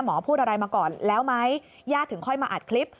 พูดอะไรมาก่อนแล้วไหมญาติถึงค่อยมาอัดคลิป